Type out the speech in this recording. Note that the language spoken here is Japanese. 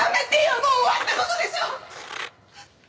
もう終わった事でしょ！